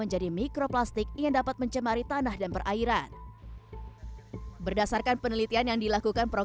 secara umum mikroplastik fiber dapat ditemukan pada bahan dasar pembuatan pakaian dan serat pakaian yang diindustri